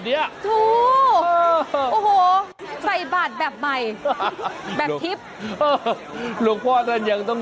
เนี้ยถูกเออโอ้โหใส่บาทแบบใหม่แบบเออหลวงพ่อนั่นยังต้อง